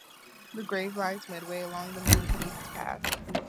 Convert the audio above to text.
The grave lies midway along the main east path.